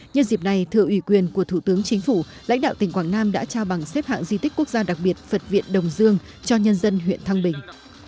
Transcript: nhân dịp này thưa ủy quyền của thủ tướng chính phủ lãnh đạo tỉnh quảng nam đã trao bằng xếp hạng di tích quốc gia đặc biệt phật viện đồng dương cho nhân dân huyện thăng bình